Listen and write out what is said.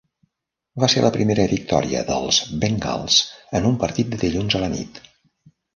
Va ser la primera victòria dels Bengals en un partit de dilluns a la nit.